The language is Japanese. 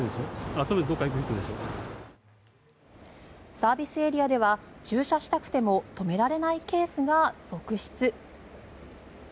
サービスエリアでは駐車したくても止められないケースが続出。